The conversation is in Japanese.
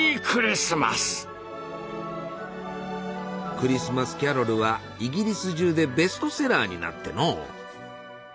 「クリスマス・キャロル」はイギリス中でベストセラーになってのう。